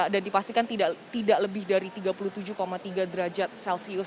dan dipastikan tidak lebih dari tiga puluh tujuh tiga derajat celcius